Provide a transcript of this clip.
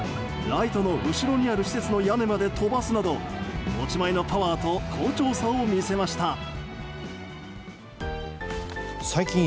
ライトの後ろにある施設の屋根まで飛ばすなど持ち前のパワーと好調さを見せました。